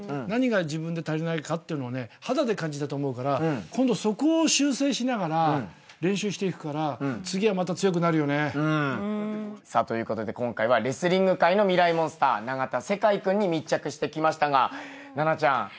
何が自分で足りないかってのを肌で感じたと思うから今度はそこを修正しながら練習していくから次はまた強くなるよね。ということで今回はレスリング界のミライ☆モンスター永田聖魁君に密着しましたが奈々ちゃん